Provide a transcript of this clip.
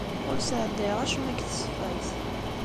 Ur sɛeddayeɣ acemma deg tṣeffayt.